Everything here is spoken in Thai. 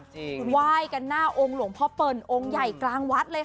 ไหว้กันหน้าองค์หลวงพ่อเปิ่นองค์ใหญ่กลางวัดเลยค่ะ